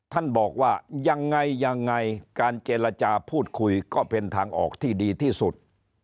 ท่านบอกว่ายังไงยังไงการเจรจาพูดคุยก็เป็นทางออกที่ดีที่สุด